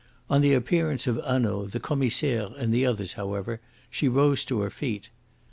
On the appearance of Hanaud, the Commissaire, and the others, however, she rose to her feet.